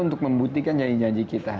untuk membuktikan janji janji kita